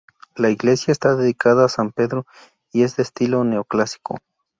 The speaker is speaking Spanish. La iglesia está dedicada a San Pedro y es de estilo neoclásico.